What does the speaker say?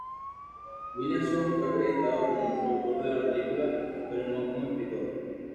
Williamson fue acreditado como un productor de la película, pero no como escritor.